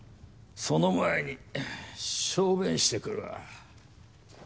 その前に小便してくるわ。